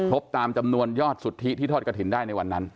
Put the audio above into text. บตามจำนวนยอดสุทธิที่ทอดกระถิ่นได้ในวันนั้น